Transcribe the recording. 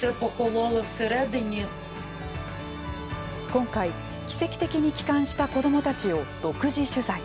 今回、奇跡的に帰還した子どもたちを独自取材。